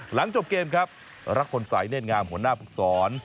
หลังจบเกมครับรักพลสายเน่นงามหัวหน้าภึกศร